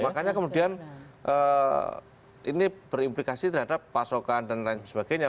makanya kemudian ini berimplikasi terhadap pasokan dan lain sebagainya